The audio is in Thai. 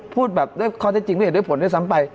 พูดแบบด้วยข้อเท็จจริงไม่เห็นด้วยผลด้วยซ้ำไป